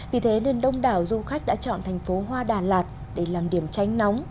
vì thế nên đông đảo du khách đã chọn thành phố hoa đà lạt để làm điểm tránh nóng